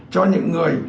cho những người